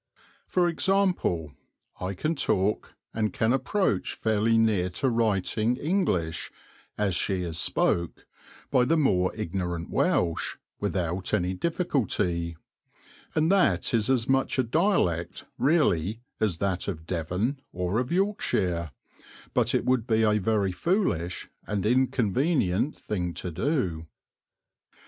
For example, I can talk, and can approach fairly near to writing, English "as she is spoke" by the more ignorant Welsh, without any difficulty; and that is as much a dialect, really, as that of Devon or of Yorkshire; but it would be a very foolish and inconvenient thing to do.